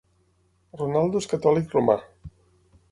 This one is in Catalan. Ronaldo és catòlic romà.